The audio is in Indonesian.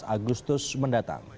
tiga belas agustus mendatang